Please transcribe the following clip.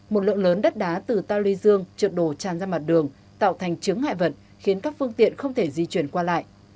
một lượng lớn đất đá từ tàu lê dương trượt đổ tràn ra mặt đường tạo thành chứng hại vật khiến các phương tiện không thể di chuyển qua lại